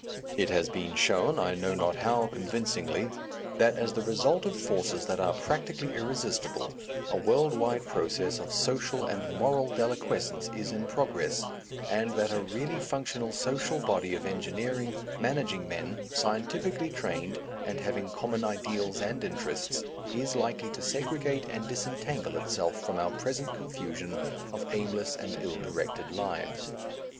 It has been shown I know not how convincingly that as the result of forces that are practically irresistible, a world wide process of social and moral deliquescence is in progress, and that a really functional social body of engineering, managing men, scientifically trained, and having common ideals and interests, is likely to segregate and disentangle itself from our present confusion of aimless and ill directed lives.